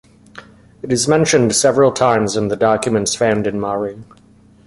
It is mentioned several times in the documents found in Mari.